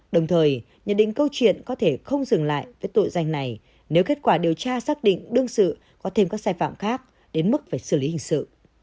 đồng thời nhận định câu chuyện có thể không dừng lại với tội danh này nếu kết quả điều tra xác định đương sự có thêm các sai phạm khác đến mức phải xử lý hình sự